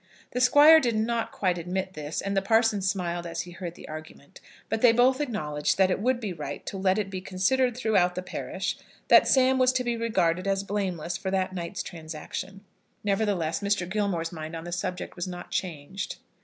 The Squire did not quite admit this, and the parson smiled as he heard the argument; but they both acknowledged that it would be right to let it be considered throughout the parish that Sam was to be regarded as blameless for that night's transaction. Nevertheless, Mr. Gilmore's mind on the subject was not changed.